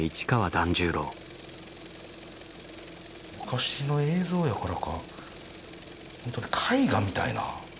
昔の映像やからか本当に絵画みたいな。